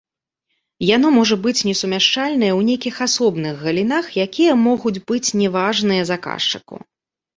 Яно можа быць несумяшчальнае ў нейкіх асобных галінах, якія могуць быць не важныя заказчыку.